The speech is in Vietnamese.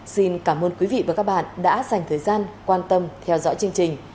xin cảm ơn quý vị và các bạn đã dành thời gian quan tâm theo dõi chương trình